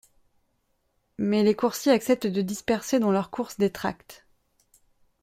Mais les coursiers acceptent de disperser dans leurs courses des tracts.